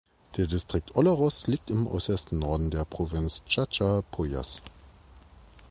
Der Distrikt Olleros liegt im äußersten Norden der Provinz Chachapoyas.